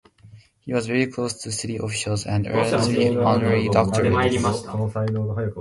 He was very close to city officials and earned three honorary doctorates.